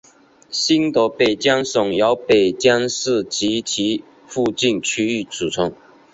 新的北江省由北江市及其附近区域组成。